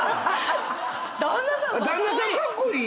旦那さんカッコイイ！